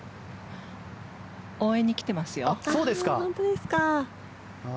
応援に来てますよ。